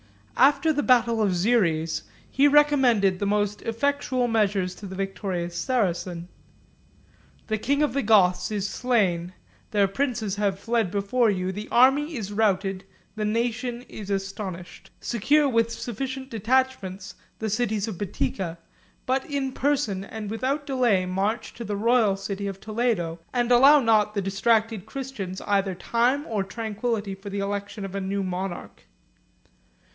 After the battle of Xeres he recommended the most effectual measures to the victorious Saracens. "The king of the Goths is slain; their princes are fled before you, the army is routed, the nation is astonished. Secure with sufficient detachments the cities of Boetica; but in person and without delay, march to the royal city of Toledo, and allow not the distracted Christians either time or tranquillity for the election of a new monarch."